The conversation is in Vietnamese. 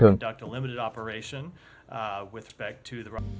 chúng tôi đã thực hiện một công việc khó khăn